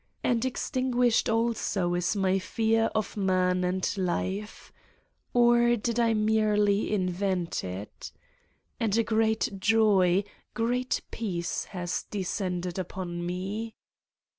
and extinguished also is my fear of man and life (or did I merely invent it?) and great joy, great peace has descended upon me.